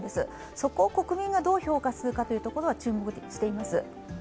そこを国民がどう評価するかは注目しています。